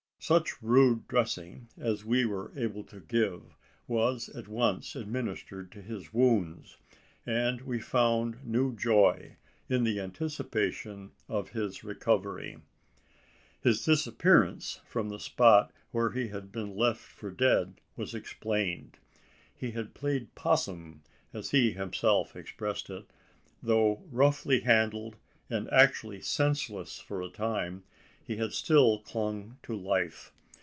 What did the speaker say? Such rude dressing, as we were able to give, was at once administered to his wounds; and we found new joy in the anticipation of his recovery. His disappearance from the spot where he had been left for dead was explained. He had "played 'possum," as he himself expressed it. Though roughly handled, and actually senseless for a time, he had still clung to life.